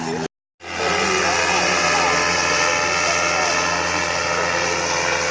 และที่สุดท้ายและที่สุดท้าย